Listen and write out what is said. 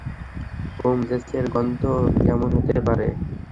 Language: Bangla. হুম, জেসের গন্ধ কেমন হতে পারে?